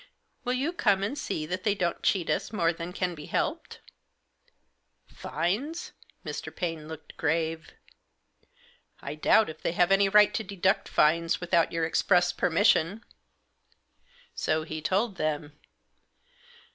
Will you come and see that they don't cheat us more than can be helped ?"" Fines !" Mr. Paine looked grave. " I doubt if they have any right to deduct fines without your express permission." So he told them.